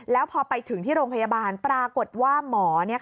แล้วพอไปถึงที่โรงพยาบาลปรากฏว่าหมอ